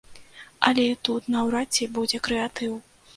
Але і тут наўрад ці будзе крэатыў.